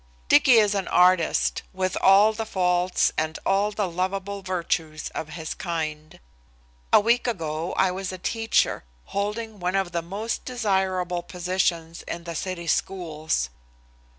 Dicky is an artist, with all the faults and all the lovable virtues of his kind. A week ago I was a teacher, holding one of the most desirable positions in the city schools.